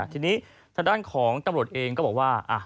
ทีนี้ทางด้านของตำรวจเองก็บอกว่า